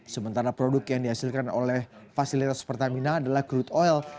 sementara produk yang dihasilkan oleh fasilitas pertamina adalah crude oil